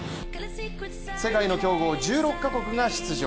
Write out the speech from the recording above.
世界の強豪１６カ国が出場。